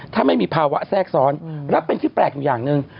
ถ้าไม่มีภาวะแทรกซ้อนและเป็นที่แปลกอยู่อย่างหนึ่ง